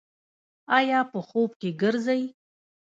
ایا په خوب کې ګرځئ؟